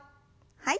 はい。